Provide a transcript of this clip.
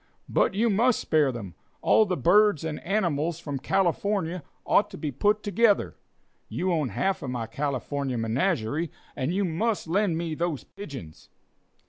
"But you must spare them. All the birds and animals from California ought to be together. You own half of my California menagerie, and you must lend me those pigeons."